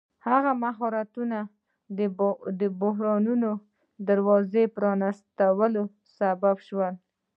هغه مهارتونه د بحرونو د دروازو پرانیستلو سبب شول.